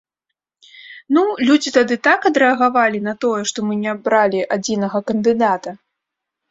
Ну, людзі тады так адрэагавалі на тое, што мы не абралі адзінага кандыдата!